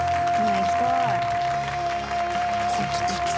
行きたーい。